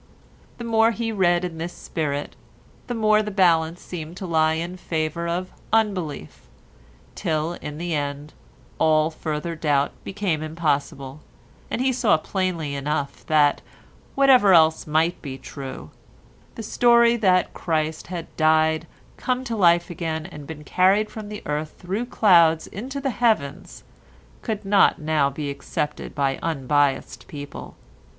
The more he read in this spirit the more the balance seemed to lie in favour of unbelief, till, in the end, all further doubt became impossible, and he saw plainly enough that, whatever else might be true, the story that Christ had died, come to life again, and been carried from earth through clouds into the heavens could not now be accepted by unbiassed people.